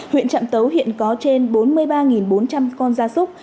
huyện trạm tấu hiện có trên bốn mươi ba bốn trăm linh con gia súc